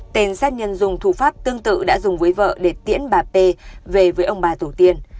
tên sát nhân dùng thủ pháp tương tự đã dùng với vợ để tiễn bà p về với ông bà tổ tiên